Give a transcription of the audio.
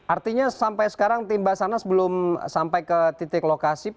artinya sampai sekarang tim basarnas belum sampai ke titik lokasi